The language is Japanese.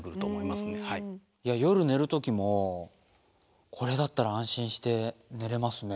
夜寝る時もこれだったら安心して寝れますね。